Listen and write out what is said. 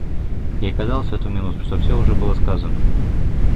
Ей казалось в эту минуту, что всё уже было сказано.